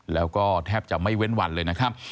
แล้วก็แทบจะไม่เว้นวันเลยนะครับ